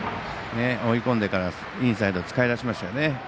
追い込んでからインサイド使い出しましたよね。